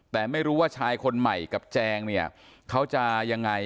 แต่ไม่รู้ว่าชายคนใหม่กับแจงเนี่ยเขาจะยังไง